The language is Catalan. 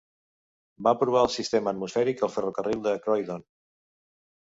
Va provar el sistema atmosfèric al ferrocarril de Croydon.